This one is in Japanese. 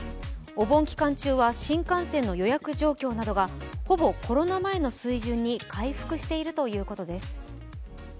お盆期間中は新幹線の予約状況などがほぼコロナ前の水準に回復しているということです。